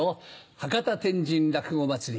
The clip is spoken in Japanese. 博多・天神落語まつり。